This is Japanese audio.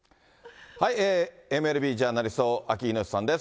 ＭＬＢジャーナリスト、アキ猪瀬さんです。